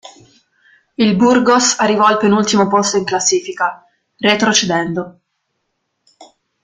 Il Burgos arrivò al penultimo posto in classifica, retrocedendo.